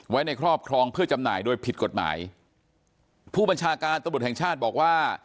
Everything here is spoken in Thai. ในครอบครองเพื่อจำหน่ายโดยผิดกฎหมายผู้บัญชาการตำรวจแห่งชาติบอกว่า